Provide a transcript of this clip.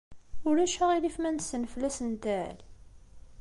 Ulac aɣilif ma nessenfel asentel?